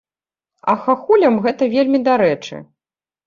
А хахулям гэта вельмі дарэчы.